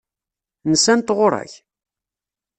Nsant ɣur-k?